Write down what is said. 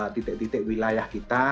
titik titik wilayah kita